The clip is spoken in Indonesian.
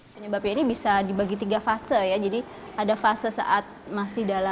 lumayan sering juga infeksi